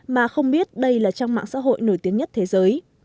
mà không biết đây là trang mạng xã hội nổi tiếng nhất thế giới